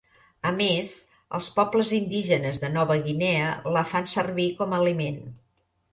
A més, els pobles indígenes de Nova Guinea la fan servir com a aliment.